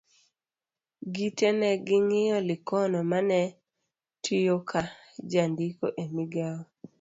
gite ne ging'iyo Likono mane tiyo ka ka jandiko e migawo